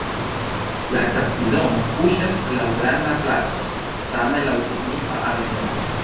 La stacidomo kuŝas laŭ granda placo, same laŭ signifa avenuo.